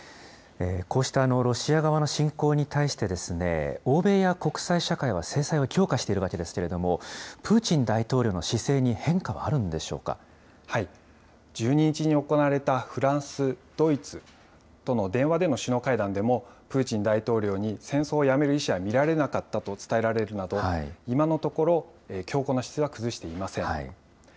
こうしたロシア側の侵攻に対して、欧米や国際社会は制裁を強化しているわけですけれども、プーチン大統領の姿勢に変化はある１２日に行われたフランス、ドイツとの電話での首脳会談でも、プーチン大統領に戦争をやめる意思は見られなかったと伝えられるなど、今のところ、強硬な姿勢は崩していません。